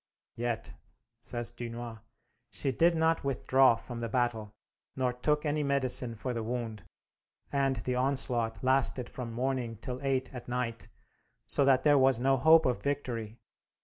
"Yet," says Dunois, "she did not withdraw from the battle, nor took any medicine for the wound; and the onslaught lasted from morning till eight at night, so that there was no hope of victory.